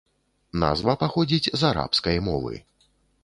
Назва паходзіць з арабскай мовы.